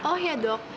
oh ya dok